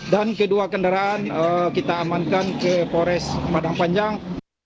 dan kedua kendaraan kita amankan ke kores padang panjang